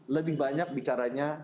lebih banyak bicaranya